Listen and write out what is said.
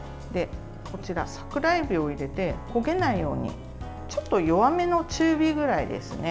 こちら、桜えびを入れて焦げないようにちょっと弱めの中火ぐらいですね。